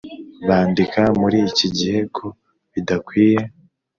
bandika muri iki gihe ko bidakwiye